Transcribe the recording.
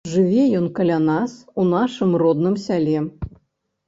Жыве ён каля нас, у нашым родным сяле.